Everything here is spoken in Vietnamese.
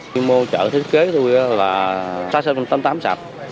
khi mua chợ thiết kế thôi là xa xa ba mươi tám sạp